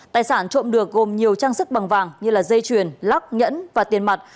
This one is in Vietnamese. tài sản trộm được gồm nhiều trang sức bằng vàng như dây chuyền lắp nhẫn và tiền mặt